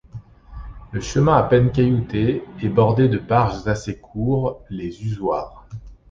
Le chemin à peine caillouté est bordé de parges assez courts, les usoirs.